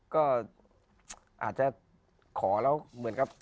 ก็อาจจะขอแล้วเหมือนกับ